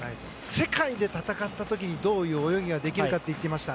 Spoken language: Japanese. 世界で戦った時にどういう泳ぎができるかと言っていました。